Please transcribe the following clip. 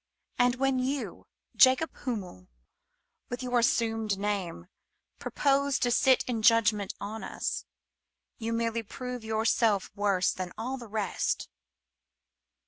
And when you, Jacob Bunmiel, with your assumed name, propose to sit in judg ment on us, you merely prove yourself worse than all the rest.